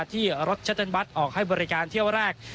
ที่รถชัตเติลบัตรออกให้บริการเที่ยวแรก